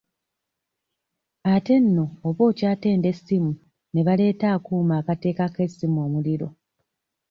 Ate nno oba okyatenda essimu ne baleeta akuuma akateekako essimu omuliro.